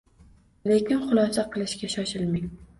Lekin, xulosa qilishga shoshilmang.